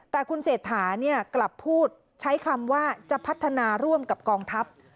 แต่คุณเศรษฐากลับพูดใช้คำว่าจะพัฒนาร่วมกับกองทัพ